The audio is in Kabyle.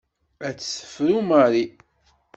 Ad tt-tefru Marie.